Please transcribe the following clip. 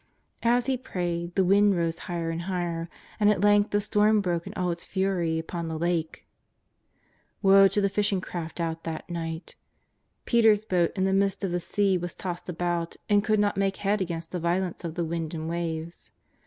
As He prayed the wind rose higher and higher, and at length the storm broke in all its fury upon the Lake. 24:2 JESUS OF NAZARETH. Woe to the fishing craft out that night ! Peter's boat in the midst of the sea was tossed about and could not make head against the violence of the wind and waves.